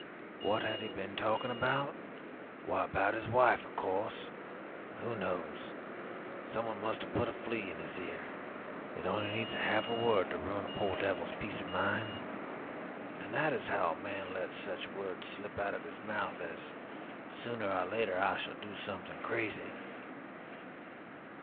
What had he been talking about? Why, about his wife, of course. Who knows? Some one must have put a flea in his ear. It needs only half a word to ruin a poor devil's peace of mind. And that is how a man lets such words slip out of his mouth as 'Sooner or later I shall do something crazy!'